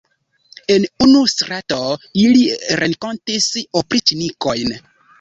En unu strato ili renkontis opriĉnikojn.